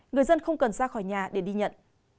người dân không cần ra khỏi nhà để đi nhận